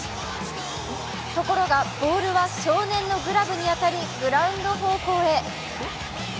ところが、ボールは少年のグラブに当たりグラウンド方向へ。